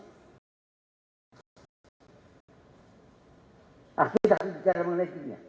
akhirnya kita akan bicara mengenai dunia